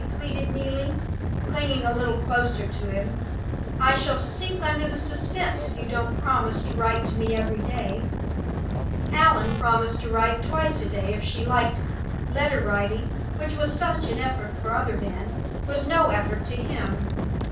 pleaded Neelie, clinging a little closer to him. "I shall sink under the suspense, if you don't promise to write to me every day." Allan promised to write twice a day, if she liked letter writing, which was such an effort to other men, was no effort to him!